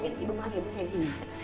ibu saya di sini